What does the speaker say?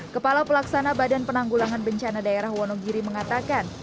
kepala pelaksana badan penanggulangan bencana daerah wonogiri mengatakan